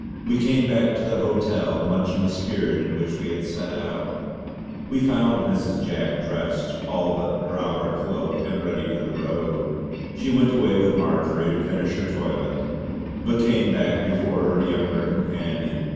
We came back to the hotel much in the spirit in which we had set out. We found Mrs. Jack dressed, all but her outer cloak, and ready for the road. She went away with Marjory to finish her toilet, but came back before her younger companion.